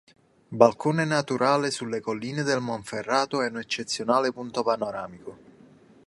Balcone naturale sulle colline del Monferrato è un eccezionale punto panoramico.